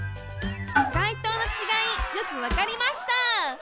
「がいとう」のちがいよくわかりました